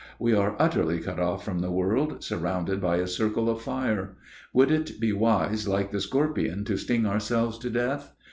We are utterly cut off from the world, surrounded by a circle of fire. Would it be wise like the scorpion to sting ourselves to death?